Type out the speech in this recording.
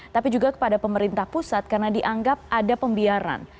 tapi juga kepada pemerintah pusat karena dianggap ada pembiaran